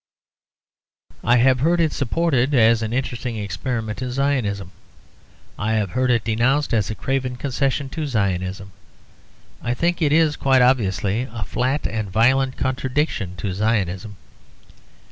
I have heard it supported as an interesting experiment in Zionism. I have heard it denounced as a craven concession to Zionism. I think it is quite obviously a flat and violent contradiction to Zionism.